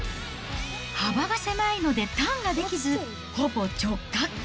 幅が狭いので、ターンができず、ほぼ直滑降。